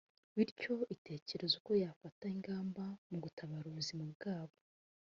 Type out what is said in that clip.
bityo itekereze uko yafata ingamba mugutabara ubuzima bwabo